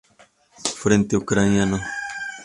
Frente Ucraniano.